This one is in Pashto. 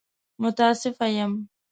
متاسفه يم!